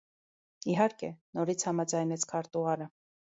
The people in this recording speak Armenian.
- Իհարկե,- նորից համաձայնեց քարտուղարը: